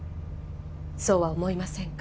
そうは思いませんか？